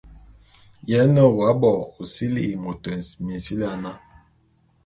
Ye nne w'abo ô sili'i môt minsili ana?